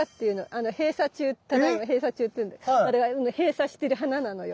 閉鎖中ただいま閉鎖中っていうんでこれは閉鎖してる花なのよ。